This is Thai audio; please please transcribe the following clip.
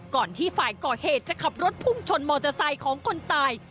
ก่อนที่ฝ่ายก่อเหตุจะขับรถพุ่งชนมอเตอร์ไซค์ของคนตาย